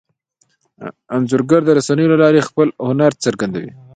انځورګر د رسنیو له لارې خپل هنر څرګندوي.